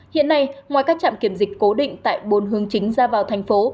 hiện nay ngoài các trạm kiểm dịch cố định tại bốn hướng chính ra vào thành phố